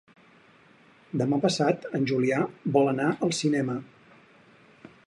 Demà passat en Julià vol anar al cinema.